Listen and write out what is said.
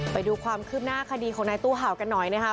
ไปดูความคืบหน้าคดีของนายตู้เห่ากันหน่อยนะคะ